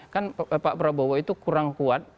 kan pak prabowo itu kurang kuat